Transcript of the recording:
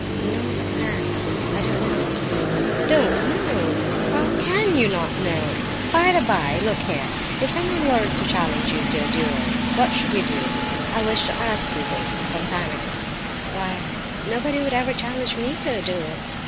"N no thanks, I don't know—" "Don't know! How can you not know? By the by, look here—if someone were to challenge you to a duel, what should you do? I wished to ask you this—some time ago—" "Why? Nobody would ever challenge me to a duel!"